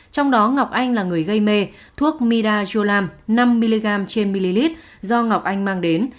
trong đó ngọc anh là người gây mê thuốc midazolam năm mg trên ml do ngọc anh mang đến